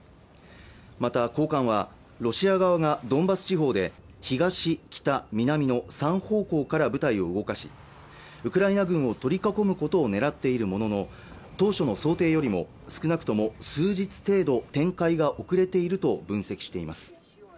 また高官はロシア側がドンバス地方で東、北、南の３方向から部隊を動かしウクライナ軍を取り囲むことを狙っているものの当初の想定よりも少なくとも数日程度展開が遅れていると分析しています